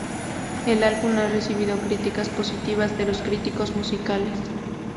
El álbum ha recibido críticas positivas de los críticos musicales.